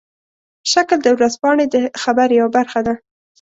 شکل د ورځپاڼې د خبر یوه برخه ده.